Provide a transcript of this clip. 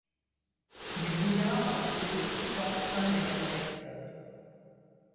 Les brouillards ont été de tout temps craints des navigateurs.